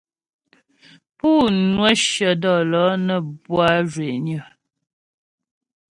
Pú ŋwə shyə dɔ̌lɔ̌ nə́ bwâ zhwényə.